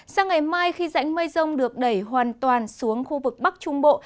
sang ngày mai khi rãnh mây rông được đẩy hoàn toàn xuống khu vực bắc trung bộ